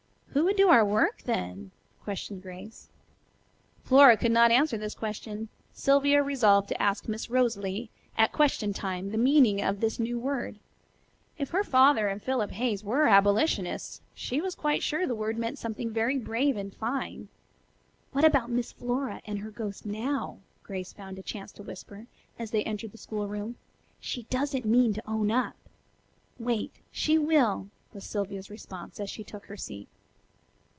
"Who would do our work then?" questioned Grace. Flora could not answer this question. Sylvia resolved to ask Miss Rosalie at question time the meaning of this new word. If her father and Philip Hayes were "abolitionists," she was quite sure the word meant something very brave and fine. "What about Miss Flora and her ghost now?" Grace found a chance to whisper, as they entered the schoolroom. "She doesn't mean to own up." "Wait, she will," was Sylvia's response as she took her seat.